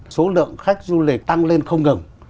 số lượng khách du lịch tăng lên không ngừng